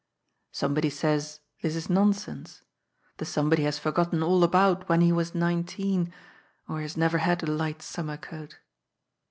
Somebody says this is nonsense. The somebody has forgotten all about when he was nineteen, or he has neyer had a light summer coat.